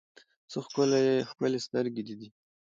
څه ښکلي سترګې دې دي